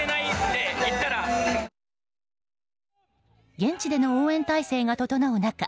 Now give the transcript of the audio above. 現地での応援態勢が整う中